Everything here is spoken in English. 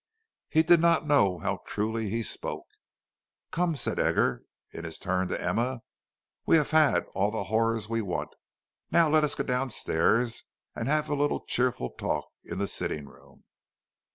He did not know how truly he spoke. "Come," said Edgar, in his turn, to Emma, "we have had all the horrors we want; now let us go down stairs and have a little cheerful talk in the sitting room."